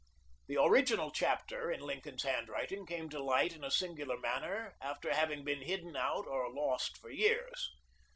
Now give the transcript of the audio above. ]: t The original chapter in Lincoln's handwriting came to light in it singular manner after having been hidden or lost for years.